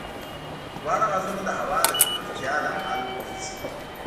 دواړه غازونه د هوا د ککړتیا لامل ګرځي.